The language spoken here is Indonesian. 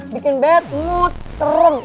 bikin bad mood tereng